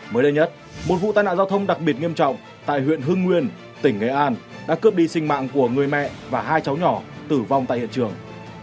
mới đây nhất một vụ tai nạn giao thông đặc biệt nghiêm trọng tại huyện hưng nguyên tỉnh nghệ an đã cướp đi sinh mạng của người mẹ và hai cháu nhỏ tử vong tại hiện trường